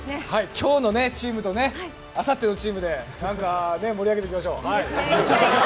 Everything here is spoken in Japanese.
今日のチームとあさってのチームで盛り上げていきましょう。